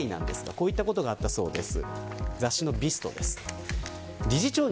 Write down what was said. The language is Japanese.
こういったことがあったそうです。